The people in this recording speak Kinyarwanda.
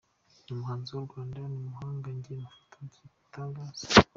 Ni umuhanzi w’u Rwanda, ni umuhanga njye mufata nk’igitangaza.